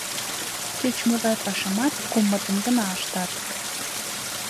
Кеч-могай пашамат кумытын гына ыштат.